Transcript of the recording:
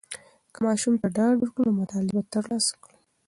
که ماشوم ته ډاډ ورکړو، نو مطالعه به تر لاسه کړي.